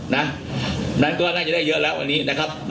นั้นก็น่าจะได้เยอะแล้วอันนี้นะครับ